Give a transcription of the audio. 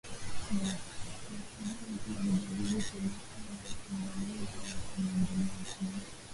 ya Pahlavi Alijaribu kuleta matengenezo ya kimaendeleo nchini